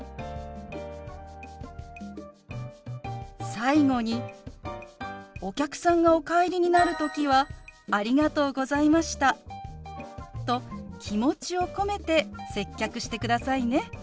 最後にお客さんがお帰りになる時は「ありがとうございました」と気持ちを込めて接客してくださいね。